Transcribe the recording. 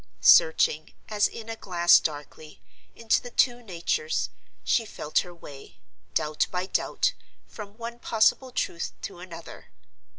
Searching, as in a glass darkly, into the two natures, she felt her way, doubt by doubt, from one possible truth to another.